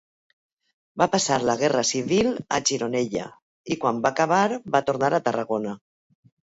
Va passar la Guerra Civil a Gironella, i quan va acabar va tornar a Tarragona.